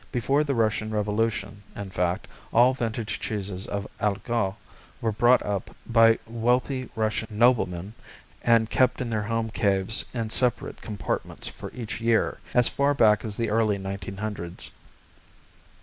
Before the Russian revolution, in fact, all vintage cheeses of Allgäu were bought up by wealthy Russian noblemen and kept in their home caves in separate compartments for each year, as far back as the early 1900's.